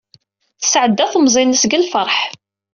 Tesɛedda temẓi-nnes deg lfeṛḥ.